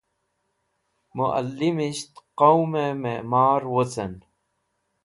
Mualimisht Qawme Me'mar Wocen